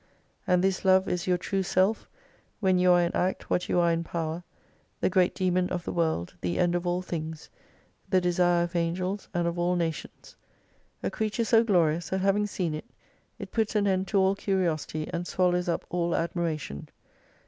And this Love is your] true self when you are in act what you are in power : the great Dsemon of the world, the End of all things, the desire of Angels and of all nations. A creature so glorious, that having seen it, it puts an end to all curiosity and swallows up all admiration.